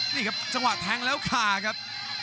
นี่ครับจังหวะแทงแล้วขาครับ